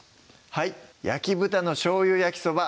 はい「焼豚のしょうゆ焼きそば」